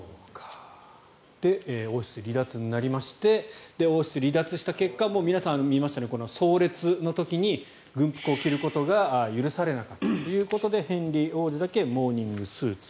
王室離脱になりまして王室離脱した結果皆さん、見ましたね葬列の時に軍服を着ることが許されなかったということでヘンリー王子だけモーニングスーツ。